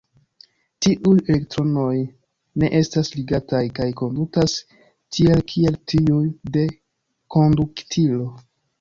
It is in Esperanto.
Tiuj elektronoj ne estas ligataj, kaj kondutas tiel, kiel tiuj de konduktilo.